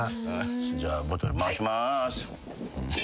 じゃあボトル回しまーす。